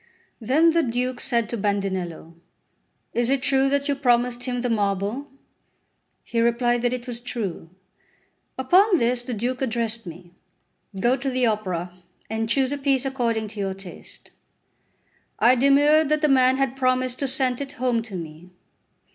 Then the Duke said to Bandinello: "Is it true that you promised him the marble?" He replied that it was true. Upon this the Duke addressed me: "Go to the Opera, and choose a piece according to your taste." I demurred that the man had promised to sent it home to me.